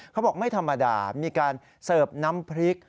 เขาบอกไม่ธรรมดามีการเสิร์ฟน้ำพริก